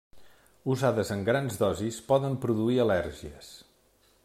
Usades en grans dosis poden produir al·lèrgies.